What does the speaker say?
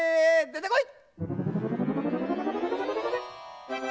でてこい！